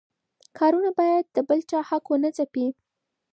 کارونه باید د بل چا حق ونه ځپي.